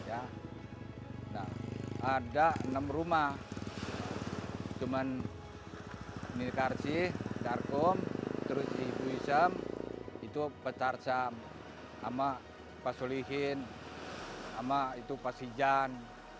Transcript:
ada enam rumah cuman milik arsi tarkom terus ibu isyam itu petar sam sama pasulihin sama itu pasijan